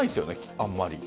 あんまり。